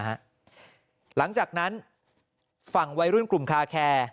หลังจากนั้นฝั่งวัยรุ่นกลุ่มคาแคร์